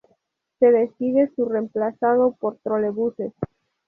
Se decide su reemplazado por trolebuses.